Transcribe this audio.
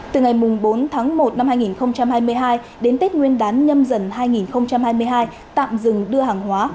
từ ngày bốn tháng một năm hai nghìn hai mươi hai đến tết nguyên đán nhâm dần hai nghìn hai mươi hai tạm dừng đưa hàng hóa